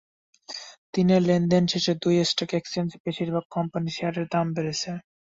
দিনের লেনদেন শেষে দুই স্টক এক্সচেঞ্জে বেশির ভাগ কোম্পানির শেয়ারের দাম বেড়েছে।